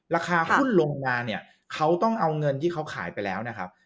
ราคาหุ้นลงงานเนี่ยเขาต้องเอาเงินที่เขาขายไปแล้วนะครับ